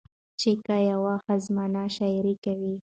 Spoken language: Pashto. چې که يوه ښځمنه شاعري کوي